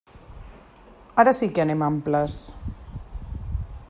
Ara sí que anem amples.